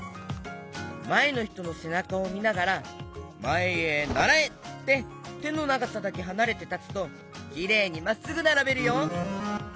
まえのひとのせなかをみながら「まえへならえ」っててのながさだけはなれてたつときれいにまっすぐならべるよ。